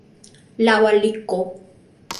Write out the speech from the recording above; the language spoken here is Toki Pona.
lawa li ko.